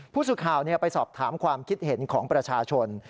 ผู้สื่อข่าวไปสอบถามความคิดเห็นของประชาชน